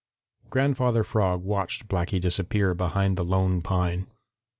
Grandfather Frog watched Blacky disappear behind the Lone Pine.